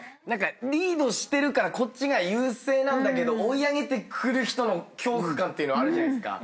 リードしてるからこっちが優勢なんだけど追い上げてくる人の恐怖感ってあるじゃないですか。